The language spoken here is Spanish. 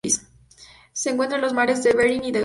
Se encuentra en los mares de Bering y de Ojotsk.